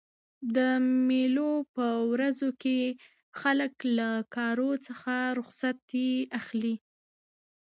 د مېلو په ورځو کښي خلک له کارو څخه رخصتي اخلي.